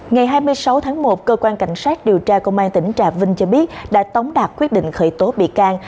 ngày hai mươi sáu tháng một cơ quan cảnh sát điều tra công an tỉnh trà vinh cho biết đã tống đạt quyết định khởi tố bị can